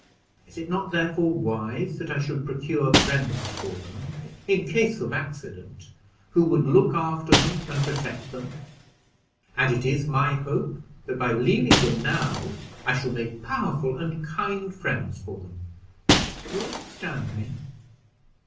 Is it not, therefore, wise that I should procure friends for them, in case of accident, who would look after them and protect them? and it is my hope, that by leaving them now, I shall make powerful and kind friends for them. Do you understand me?"